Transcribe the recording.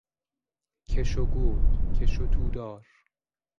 کشو گود، کشو تودار